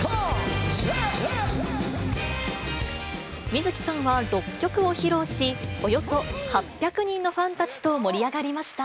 水木さんは６曲を披露し、およそ８００人のファンたちと盛り上がりました。